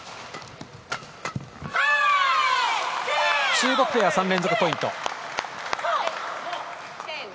中国ペア、３連続ポイント。